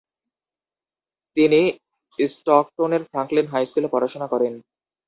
তিনি স্টকটনের Franklin high স্কুলে পড়াশোনা করেন।